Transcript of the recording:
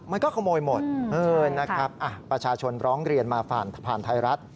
มันก็ขโมยหมดนะครับประชาชนร้องเรียนมาผ่านไทยรัฐ